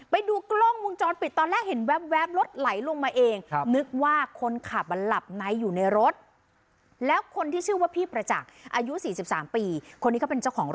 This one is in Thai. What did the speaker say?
ไปดูกล้องวงจรปิดตอนแรกเห็นแว๊บรถไหลลงมาเอง